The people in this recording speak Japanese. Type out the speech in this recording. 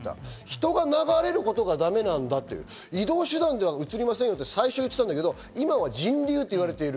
人が流れることがダメなんだという、移動手段ではうつりませんよって最初は言ってたけど今は人流といわれている。